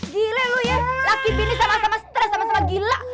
gile lu ya laki bini sama sama stress sama sama gila